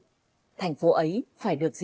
một thành phố vừa được giành lại từ tay kẻ thù